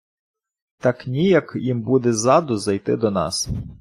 Так ніяк їм буде ззаду зайти до нас.